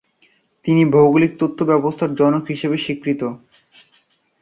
তিনি ভৌগোলিক তথ্য ব্যবস্থার জনক হিসেবে স্বীকৃত।